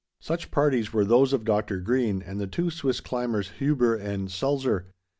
Such parties were those of Dr. Green and the two Swiss climbers Huber and Sulzer.